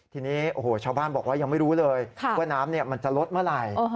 ทีนี้โอ้โหชาวบ้านบอกว่ายังไม่รู้เลยว่าน้ำมันจะลดเมื่อไหร่